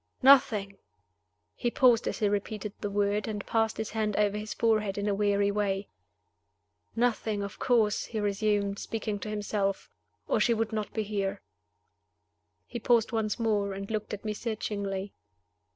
"Nothing?" He paused as he repeated the word, and passed his hand over his forehead in a weary way. "Nothing, of course," he resumed, speaking to himself, "or she would not be here." He paused once more, and looked at me searchingly.